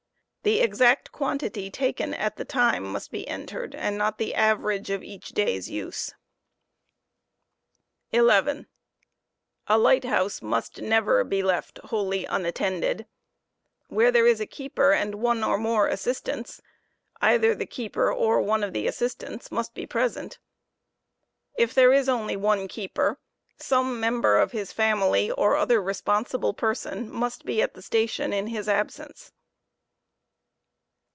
The exact quantity taken at the time must be entered, and not the average of each day's use. t^i$£t£ with? 11b a light house must never be left wholly unattended. Where there is a keeper chir^ m ° 000 ™ a ™* oue or more afisijStftnt8 j either the keeper or one of the assistants must be present If there is only one keeper, some member of bis family, or other responsible person, must be at the station in his absorice.